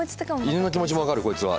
犬の気持ちもわかるこいつは。